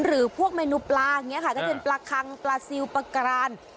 หรือพวกเมนูปลาอย่างนี้ค่ะก็จะเป็นปลาคังปลาซิลปลากราน